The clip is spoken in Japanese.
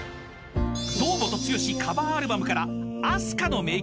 ［堂本剛カバーアルバムからＡＳＫＡの名曲